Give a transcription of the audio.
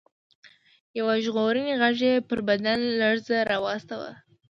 يوه ژړغوني غږ يې پر بدن لړزه راوسته.